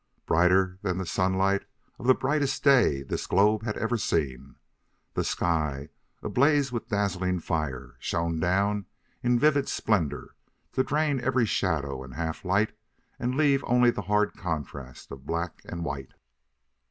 Brighter than the sunlight of the brightest day this globe had ever seen, the sky, ablaze with dazzling fire, shone down in vivid splendor to drain every shadow and half light and leave only the hard contrast of black and white.